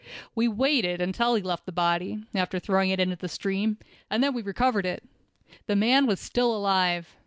We waited until he left the body, after throwing it into the stream, and then we recovered it. The man was still alive.